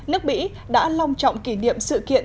nước mỹ đã long trọng kỷ niệm sự kiện